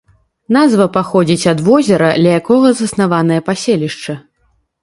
Назва паходзіць ад возера, ля якога заснаванае паселішча.